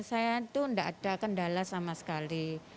saya itu tidak ada kendala sama sekali